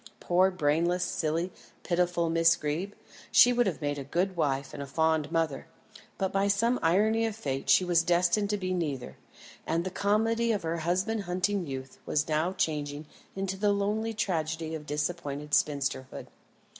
Poor brainless, silly, pitiful Miss Greeb; she would have made a good wife and a fond mother, but by some irony of fate she was destined to be neither; and the comedy of her husband hunting youth was now changing into the lonely tragedy of disappointed spinsterhood.